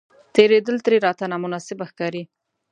تېرېدل ترې راته نامناسبه ښکاري.